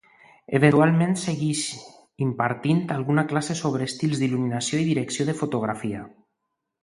Eventualment segueix impartint alguna classe sobre estils d'il·luminació i direcció de fotografia.